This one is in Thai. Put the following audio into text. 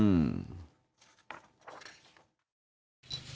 อืม